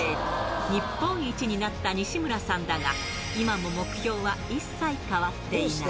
日本一になった西村さんだが、今も目標は一切変わっていない。